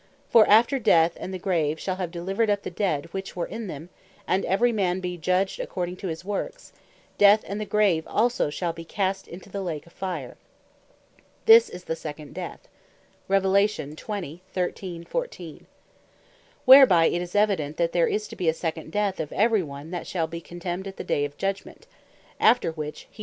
"For after Death, and the Grave shall have delivered up the dead which were in them, and every man be judged according to his works; Death and the Grave shall also be cast into the Lake of Fire. This is the Second Death." Whereby it is evident, that there is to bee a Second Death of every one that shall bee condemned at the day of Judgement, after which hee shall die no more.